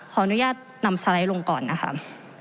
ขออนุญาตนำสไลด์ลงก่อนนะครับ